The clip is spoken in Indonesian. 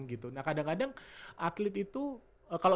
gitu nah kadang kadang atlet itu kalau